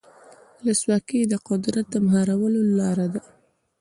ولسواکي د قدرت د مهارولو لاره ده.